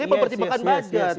ini pempertimbangan budget